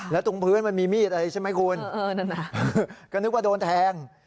แล้วตรงพื้นมันมีมีดอะไรใช่ไหมคุณเออเออนั่นอ่ะก็นึกว่าโดนแทง